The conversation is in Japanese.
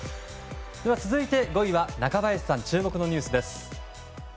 続いて５位は中林さん注目のニュースです。